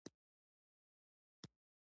د اوښانو او انسانانو کاروان مکې نه روان شو.